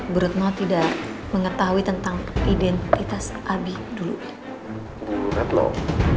bu retno tidak mengetahui tentang identitas abi dulu